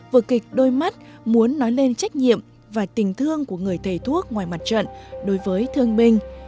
vở kịch đôi mắt muốn nói lên trách nhiệm và tình thương của người thầy thuốc ngoài mặt trận đối với thương binh